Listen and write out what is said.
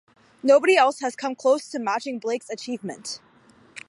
Nobody else has come close to matching Blake's achievement.